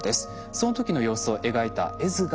その時の様子を描いた絵図が残っています。